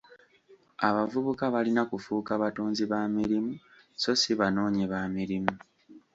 Abavubuka balina kufuuka batonzi ba mirimu so si banoonyi ba mirimu.